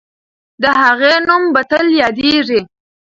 د هغې نوم به تل یادېږي.